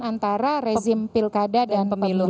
antara rezim pilkada dan pemilu